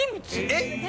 えっ？